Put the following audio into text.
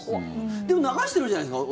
でも流してるじゃないですか